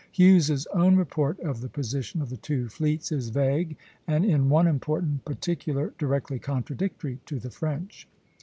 Hughes's own report of the position of the two fleets is vague, and in one important particular directly contradictory to the French.